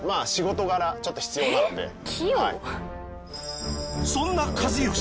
仕事柄ちょっと必要なので。